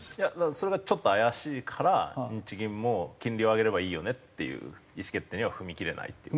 それがちょっと怪しいから日銀も金利を上げればいいよねっていう意思決定には踏み切れないっていう。